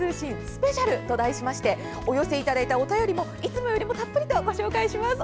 スペシャルと題しましてお寄せいただいたお便りもいつもよりもたっぷりとご紹介していきます。